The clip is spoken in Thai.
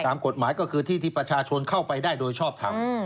ตามกฎหมายก็คือที่ที่ประชาชนเข้าไปได้โดยชอบทำ